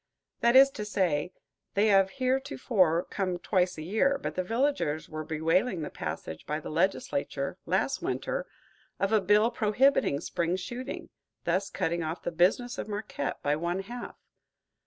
That is to say, they have heretofore come twice a year, but the villagers were bewailing the passage by the legislature, last winter, of a bill prohibiting spring shooting, thus cutting off the business of Marquette by one half.